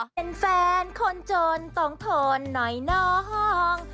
เป็นแฟนคนจนต้องทนหน่อยน้อง